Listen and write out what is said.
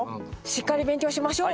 しっかり勉強しましょう。